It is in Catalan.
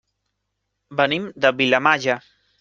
Venim de Vilamalla.